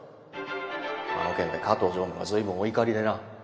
あの件で加藤常務が随分お怒りでな。